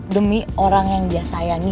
demi orang yang dia sayangi